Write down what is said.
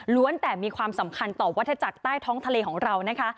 แต่มีความสำคัญต่อวัตถจักรใต้ท้องทะเลของเรานะคะ